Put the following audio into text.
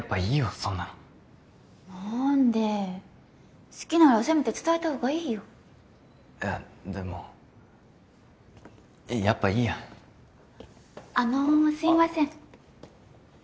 そんなの何で好きならせめて伝えた方がいいよいやでもやっぱいいやあのすいませんあ